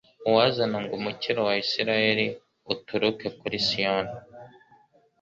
Uwazana ngo umukiro wa Israheli uturuke kuri Siyoni